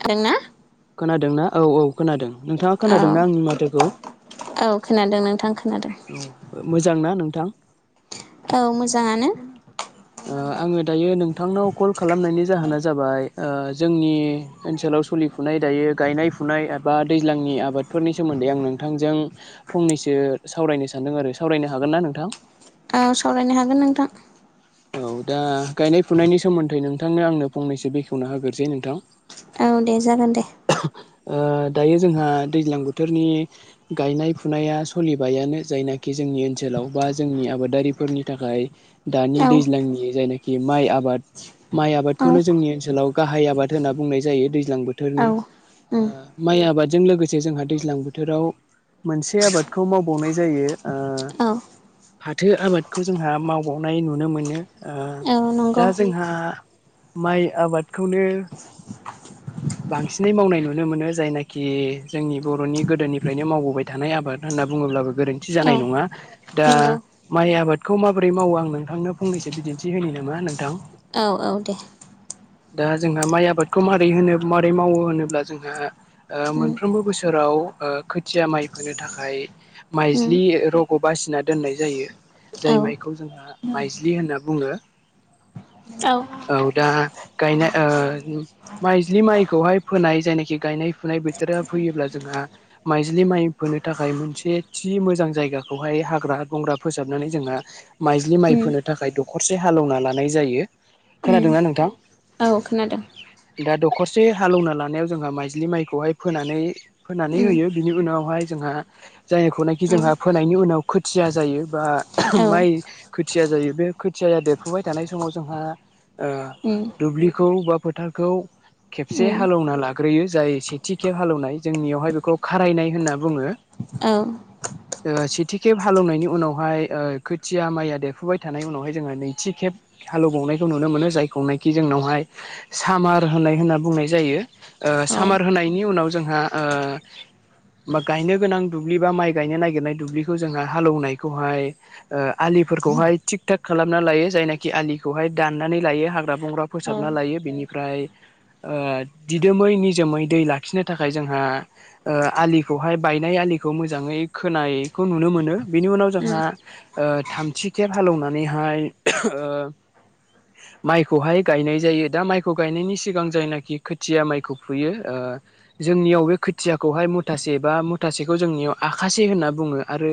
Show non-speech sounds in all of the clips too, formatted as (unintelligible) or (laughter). थोंना खोनादोंना औ औ खोनादों नोंथाङा औ खोनादोंना आंनि माथोखौ औ खोनादों नोंथां खोनादों औ मोजां ना नोंथां औ मोजाङानो ओ आङो दायो नों थांनाव कल खालामनायनि जाहोना जाबाय जोंनि ओनसोलाव सोलिफुनाय दायो गायनाय फुनाय एबा दैज्लांनि आबादफोरनि सोमोनदै आं नोंथांजों फंनैसो सावरायनो सानदों आरो सावरायनो हागोन ना नोंथां? औ सावरायनो हागोन नोंथां औ दा गायनाय फुनायनि सोमोनदै नोंथांनो आंनो फंनैसो बेखेवनो होग्रोसै नोंथां औ दे जागोन दे ओ दायो जोंहा दैज्लां बोथोरनि गायनाय फुनाया सोलिबायानो जायनाखि जों जोंनि ओनसोलाव बा जोंनि आबादारिफोरनि थाखाय दानि औ दैज्लांनि जायनाखि माइ आबाद माइ औ आबादखौनो जोंनि ओनसोलाव गाहाय आबाद होनना बुंनाय जायो दैज्लां औ बोथोरनि उम माइ आबादजों लोगोसे जोंहा दैज्लां बोथोराव मोनसे आबादखौ मावबावनाय जायो आ औ फाथो आबादखौ जोंहा मावबावनाय नुनो मोनो आ औ नंगौ दा जोंहा माइ आबादखौनो (inaudible) बांसिनै मावनाय नुनो मोनो जायनाखि जोंनि बर'नि गोदोनिफ्रायनो मावबोबाय थानाय आबाद होनना बुङो बुङोब्लाबो गोरोनथि औ जानाय नङा दा नंगौ माइ आबादखौ माबोरै मावो आं नोंथांनो फंनैसो बिदिनथि होनि नामा नोंथां? औ औ दे दा जोंहा माइ आबादखौ मारै होनो मारै मावो होनोब्ला जोंहा उम मोनफ्रोमबो बोसोर बोथोराव खोथिया माइ फोनो थाखाय उम माइज्लि र'खौ बासिना दोननाय जायो जाय औ माइखौ जोंहा माइज्लि होनना बुङो औ गायनाय माइज्लि माइखौहाय फोनाय जायनाखि गायनाय फुनाय बोथोरा फैयोब्ला जोंहा माइजलि माइ फोनो थाखाय मोनसे थि मोजां जायगाखौहाय हाग्रा बंग्रा फोसाबनाय जों माइ माइ उम फोनो थाखाय दखरसे हालेवना लानाय जायो उम खोनादोंना नोंथां औ खोनादों दा दखरसे हालेवना लानायाव जोंहा माइजलि माइखौहाय फोन फोनानै उम होयो बिनि उनावहाय जोंहा जायखौनाखि औ जोंहा फोनायनि उनाव खोथिया जायो बा औ माइ खोथिया जायो बे खोथियाया देरफुबाय थानाय समाव जोंहा उम दुब्लिखौ बा फोथारखौ खेबसे उम हालेवना लाग्रोयो जाय सेथि खेब हालौवनाय जोंनियावहाय बेखौ खारायनाय होनना बुङो औ सेथि खेब हालेवनायनि उनावहाय खोथिया माइया देफुबाय थानाय उनावहाय जोङो नैथि खेब हालौबावनायखौ नुनो मोनो जायखौखि जोंनावहाय सामार नाय होनना बुंनाय जायो औ सामार होनायनि उनाव जोंहा बा गायनो गोनां दुब्लि बा माइ गायनो नागिरनाय दुब्लिखौ जोंहा हालौनायखौहाय ओ आलि दैफोरखौहाय थिग थाक खालामना लायो जायनाखि आलिखौहाय दाननानै लायो हाग्रा बंग्रा फोसाबना लायो बिनि ओमफ्राय दिदोमै निजोमै दै लाखिनो थाखाय जोंहा आलि बेहाय बायनाय आलिखौ मोजाङै खोनायखौ नुनो मोनो बिनि उनाव उम जोंहा थामथि खेब हालौवनानैहाय माइखौहाय गायनाय जायो दा माइखौ गायनायनि सिगां जायनाखि खोथिया माइखौ फुयो जोंनियाव बे खोथियाखौहाय मुथासे बा मुथासेखौ जोंनियाव आखासे होनना बुङो आरो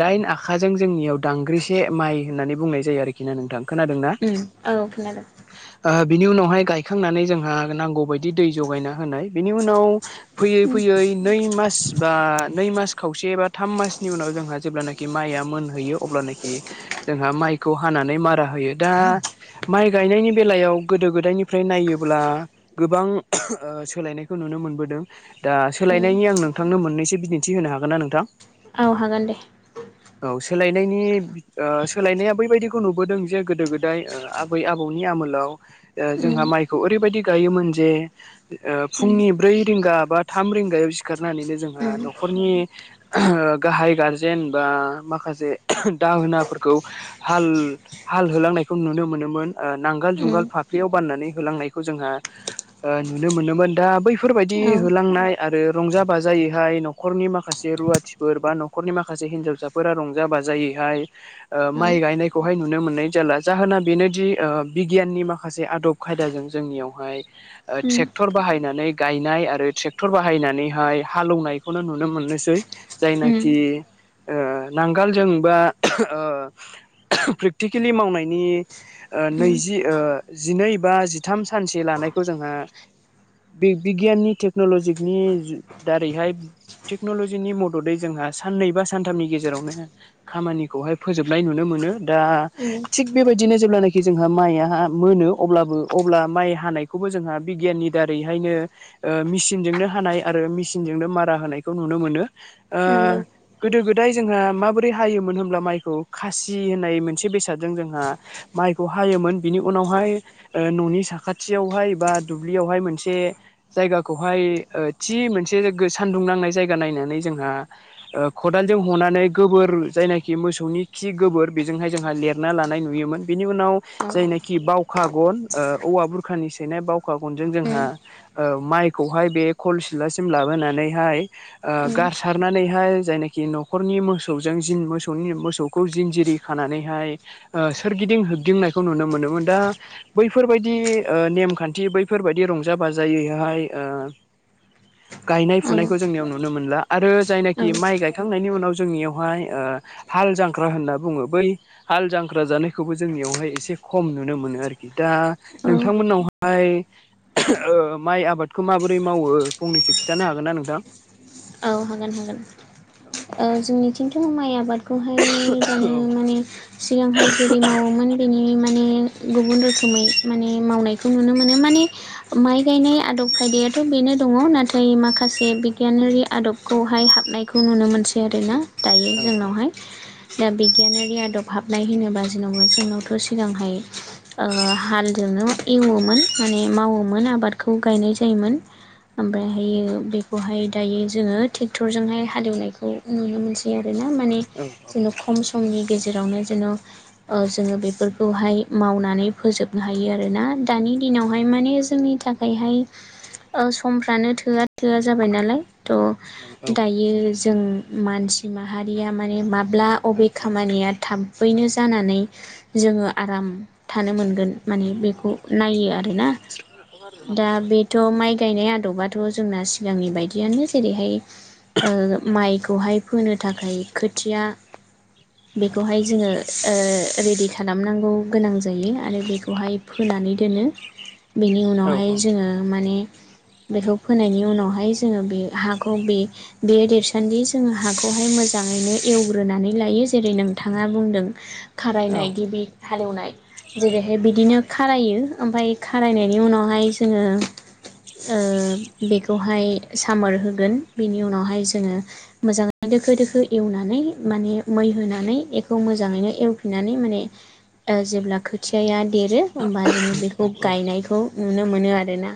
दाइन आखाजों जोंनियाव दांग्रिसे माइ होननानै बुंनाय जायो आरोखि ना नोंथां खोनादों ना? उ औ खोनादों बिनि उनावहाय गायखांनानै जोंहा नांगौबायायदि दै जगायना होनाय बिनि उनाव फैयै उम फैयै नै मास मास बा नै मास खावसे बा थाम मासनि उनाव जोंहा जेब्लानाखि माइया मोनहैयो अब्लानोखि जोंहा माइखौ हानानै मारा होयो दा माइ गायनायनि बेलायाव गोदो गोदायनिफ्राय नायोब्ला गोबां सोलायनायखौ नुनो नुनो मोनबोदों दा उम सोलायनायनि आं नोंथांनो मोननैसो बिदिन्थि होनो हागोन ना नोंथां औ हागोन दे औ सोलायनायनि सोलायनाया बैबायदिखौ नुबोदों जे गोदो गोदाय आबै आबौनि आमोलाव उम जोंहा मा माइखौ ओरैबायाददि गायोन जे उम फुंनि ब्रै रंगा बा थाम रिंगायाव सिखारनानै जोंहा उम नखरनि गाहाय गारजेन बा माखासे दाहोना फोरखो हाल होलांनायखौ नुनो मोनोमोन नांगाल उम जुंगाल फाफ्लियाव बाननानै ह जोंहा नुनो मोनोमोन दा बैफोरबायदि औ होलांनाय आरो रंजा बाजाय हाय न'खरनि माखासे रुवाथिफोर बा न'खरनि माखासे हिनजावसाफोरा रंजा बाजायैहाय औ माइ गायनायखौहाय नुनो मोननाय जाला जाहोना बेनोदि बिगियाननि माखासे आदब खायदाजों जोंनियावहाय उम ट्रेक्टर बाहायनानै गायनाय आरो ट्रेक्टर बाहायनानैहाय हालौवनायखौनो नुनो मोननोसै उम जायनाखि नांगोलजों बा प्रेक्टिकेलि मावनायनि उम नैजि जिनै बा जिथाम सानसे लानायखौ जोंहा बे बिगियाननि टेक्न'लजिनि दारैहाय टेक्न'ल'जिनि मददै जोंहा साननै बा सानथामनि गेजेरावनो खामानिखौहाय फोजोबनाय नुनो मोनो दा उम थिग बेबायदि बिदिनो जेब्लानाखि जोंहा माइआ मोनो अब्लाबो अब्ला माइ हानायखौबो जोंहा बिगियाननि दारैहाय बिनो ओ मिसिनजोंनो हानाय आरो मिसिनजोंनो मारा होनायखौ नुनो मोनो ओ नंगौ गोदो गोदाय जोंहा माबोरै हायोमोन होमब्ला माइ खासि होननाय मोनसे बेसादजों जोंहा माइखौ हायोमोन बिनि उनावहाय ओ न'नि साखाथियावहाय बा दुब्लियावहाय मोनसे जायगाखौहाय थि मोनसे सानदुं नांनाय जायगा नायनानै जोहा ओ खदालजों हनानै गोबोर जायनाखि मो नि खि गोबोर बेजोंहाय जोंहा लेरना लानाय नुयोमोन बेनि उनाव औ जायनोखि बावखा गन ओ औवा बुरखानि सैनाय बावखा गनजों जोंहा उम ओ माइखौहाय बे खल सिलासिम लाबोनानैहाय ओ उम गारसारनानैहाय जायनाखि न'खरनि मोसौजों जिन मोसौनि मोसौ खौ जिनजिरि खानानैहाय ओ सोरगिदिं होबदिंनायखौ नुनो मोनोमोन दा बैफोर बा दि ओ नेम खानथि बैफोरबादि रंजा बाजायैहाय ओ (inaudible) गायनाय औ फुनायखौ औ जोंनियाव नुनो मोनला आरो जायनाखि औ माइ गायखांनायनि उनाव जोंनियावहाय ओ हाल जां ख्रा होनना बुङो बै हाल जांख्रा जानायखौबो जोंनियावहाय इसे खम नुनो मोनो आरोखि दा औ नोंथांमोननावहाय माइ आबादखौ माबोरै मावो फंनैसो खिथानो हागोनना नोंथां? औ हागोन हागोन औ जोंनिथिंथ' माइ आबाद बे खौहाय औ दानि माने सिगांहाय जेरै मावोमोन बेनि माने गुबुन रोखोमै माने मावनायखौ नुनो मोनो माने माइ गायनाय आदब खायदायाथ' बेनो दं दङ' नाथाय माखासे बिगियानारि आदबखौहाय हाबनायखौ नुनो मोनसै आरोना दायो औ जोंनावहाय दा बिगियानारि आदब हाबनाय होनोबा (unintelligible) जोंनावथ' सिगांहाय ओ हालजों एवोमोन माने मावोमोन आबादखौ गायनाय जायोमोन ओमफ्रायहायो बेखौहाय दायो जोङो टेक्टरजोंहाय हालेवनायखौ नुनो मोनसै आरोना माने औ जेन' खम समनि गेजेरावनो जेन' ओ जोङो बेफोरखौहाय मावनानै फोजोबनो हायो आरोना दानि नि दिनावहाय माने जोंनि थाखायहाय समफ्रानो थोआ थोआ जाबाय नालाय औ थ' दायो जों मानसि माहारिया माने मा ब्ला अबे खामानिया थाबैनो जानानै जोङो आराम थानो मोनगोन माने बेखौ नायो आरो ना था बेथ' माइ गायनाय आदबाथ' जोंना सिगांनि बायदियानो जेरैहाय ओ माइखौहाय फोनो थाखाय खोथिया बेखौहाय जोङो ओ रेडि खालामनांगौ गोनां जायो आरो बेखौहाय फोनानै दोनो बेनि औ उनावहाय जोङो माने बेखौ फोनायनि उनावहाय जोङो बे हाखौ बे बे देरसान्दि जोङो हाखौहाय मोजाङैनो एवग्रोनानै लायो जेरै नों नोंथाङा बुंदों औ खारायनाय गिबि हालेवनाय जेरैहाय बिदिनो खारायो ओमफाय खारायनायनि उनावहाय जोङो ओ बेखौहाय खामोर होगोन बिनि उनावहाय जोङो मोजाङै दोखो दोखो एवनानै माने मै हो नानै इखौ मोजाङैनो एवफिननानै माने ओ जेब्ला खोथियाया देरो होमबा जोङो बेखौ गायनायखौ नुनो मोनो आरोना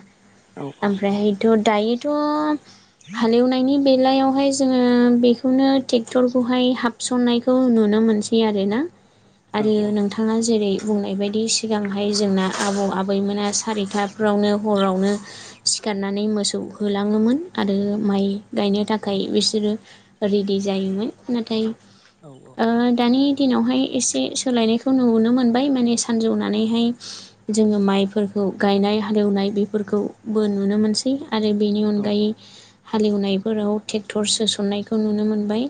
ओमफ्रायहाथ' दायोथ' हालेवनायनि बेलायावहाय जोङो बेखौनो टेक्टरखौहाय हाबस'ननायखौ नुनो मोनसै आरोना आरो नोंथाङा जेरै बुंनाय बायदि सिगांहाय जोंना आबौ-आबैमोना सारिथाफ्रावनो हरावनो गाननानै मोसौ होलाङोमोन आरो माइ गायनो थाखाय बिसोरो रेडि जायोमोन नाथाय ओ दानि दिनावहाय एसे सोलायनायखौ नुनो मोनबाय माने सानजौनानैहाय जोङो माइफोरखौ गायनाय हालेवनाय बेफोरखौबो नुनो मोनसै आरो बेनि अनगायै हालेवनायफोराव ट्रेक्टर सोसननायखौ नुनो मोनबाय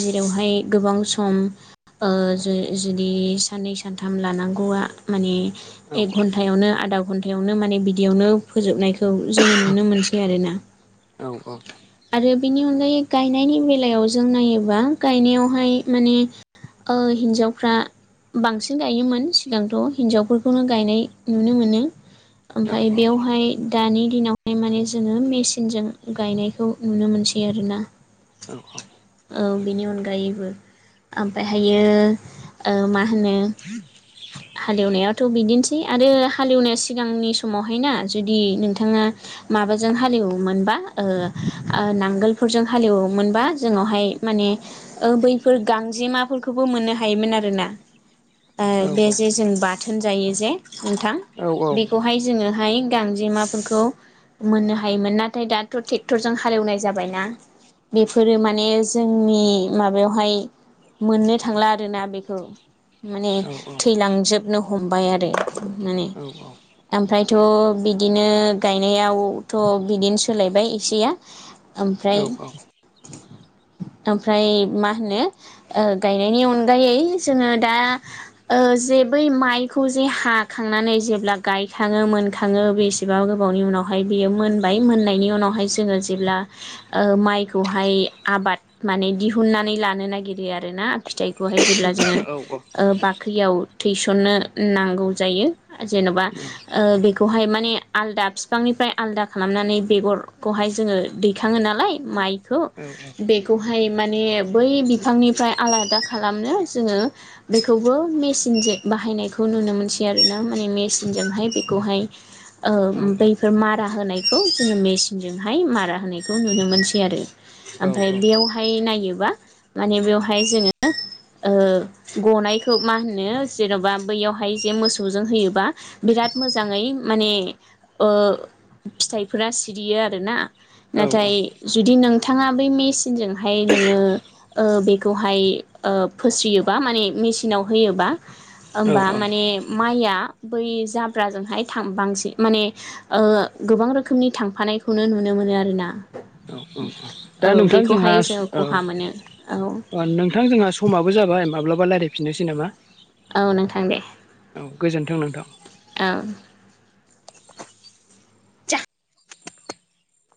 जेरावहाय गोबां सम जुदि साननै सानथाम लानांगौ माने एक कनटायावनो आदा कनटायावनो माने बिदियावनो फोजोबनायखौ जोङो नुनो मोनसै आरो ना औ औ आरो बेनि अनगायै गायनायनि बेलायाव जों नायोबा गायनायावहाय माने हिन्जावफ्रा बांसिन गायोमोन सिगांथ' हिनजावफोरखौनो गायनाय नुनो मोनो ओमफफ्राय औ बेयावहाय दानि दिनावहाय माने जोङो मेसे थनजों गायनायखौ नुनो मोनसै आरोना औ बेनि अनगायैबो ओमफ्रायहायो मा होनो हालेवनायाथ' बिदिनोसै आरो हालेवनाय सिगांनि समावहायना जुदि नोंथाङा माबाजों हालेवोमोनबा नांगोलफोरजों हालेवोमोनबा जोंनावहाय माने बैफोर गांजेमाफोरखौबो मोननो हायोमोन आरोना औ औ बे जे जों बाथोन जायो जे नोंथां औ बेखौहाय जोङोहाय गांजेमाफोरखौ मोननो हायोमोन नाथाय दाथ' ट्रेक्टरजों हालेवनाय जाबायना बेफोरो माने जोंनि माबायावहाय मोननो थांला आरोना बेखौ माने थैलांजोबनो हमबाय आरो माने ओमफ्रायथ' बिदिनो गायनायावथ' बिदिनो सोलायबाय एसेया औ ओमफ्राय ओमफ्राय मा होनो गायनायनि अनगायै जोङो दा जे बै माइखौ जे हाखांनानै जेब्ला गायखाङो मोनखाङो बेसेबां गोबाव ज ज म आ जेब्ला मोननायनि उनावहाय हाबाय आबाद माने दिहुननानै लानो नागिरो आरोना फिथाइखौहाय जेब्ला जोङो ब साख्रियाव थैसनो नांगौ जायो जेन'बा बेखौहाय म आदा दाब बिफांनिफ्राय आलदा खालामनानै बेगरखौहाय जोङो दैखाङो नालाय माइखौ बेखौहाय माने बै बिफांनिफ्राय आलादा खालामनो जोङो बेखौ मेचिनजों बाहायनायखौ नुनो मोनसै आरोोना माने मेसिनजोंहाय बेखौहाय बैफोर मारा होनायखौ जोङो मेचिनजोंहाय मारा होनायखौ नुनो मोनसै आरो ओमफफ्राय बेयावहाय नायोब म बेहाय जोङो गनाय थ मा होनो जेन'बा बैयावहाय जे मोसौजों होयोबा बिराद मोजाङै माने फिथाइफोरा सिरियो आरोना औ औ नाथाय जुदि नों नोंथाङा ब मेसिनजोंहाय नोङो बेखौहाय फोसयोबा माने मेन थिनाव होयोबा होमबा माने माइआ बै जाब्राजोंहायां बांसिन माने गोबां रोखोमनि थांफ नायखौनो नुनो मोनो आरोना दा औ नोंथां बेखौहाय जोंहा जों खहा मोनो औ नोंथां जोंहा समाबो जाबाय माब्लाबा रायज्लाय फिननोसै नामा औ नोंथां दे नोंथां नोंथां औ जा